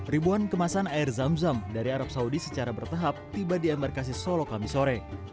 ribuan kemasan air zam zam dari arab saudi secara bertahap tiba di embarkasi solo kamisore